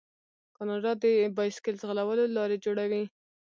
کاناډا د بایسکل ځغلولو لارې جوړوي.